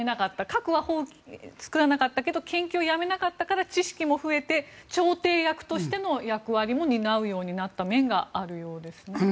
核は作らなかったけど研究はやめなかったから知識も増えて調停役としての役割も担うようになった面があるようですね。